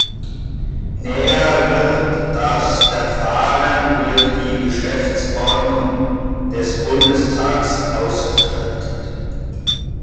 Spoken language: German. Näher wird das Verfahren durch die Geschäftsordnung des Bundestags ausgestaltet.